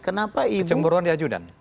kenapa ibu kecemburuan di ajudan